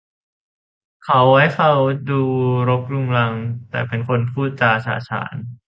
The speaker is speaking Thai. เขาไว้เคราที่ดูรกรุงรังแต่เป็นคนพูดจาฉะฉาน